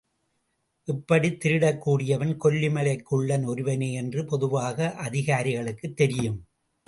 இப்படித் திருடக்கூடியவன் கொல்லிமலைக் குள்ளன் ஒருவனே என்று பொதுவாக அதிகாரிகளுக்குத் தெரியும்.